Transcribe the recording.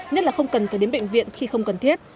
nhất là không cần phải đến bệnh viện khi không cần thiết